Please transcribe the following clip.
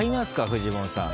フジモンさん。